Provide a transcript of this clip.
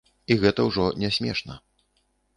І гэта ўжо не смешна.